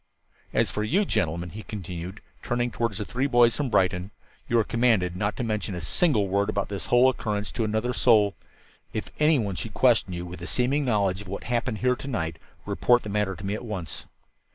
"As for you gentlemen," he continued, turning toward the three boys from Brighton, "you are commanded not to mention a single word about this whole occurrence to another soul. If any one should question you, with a seeming knowledge of what happened here to night, report the matter to me at once."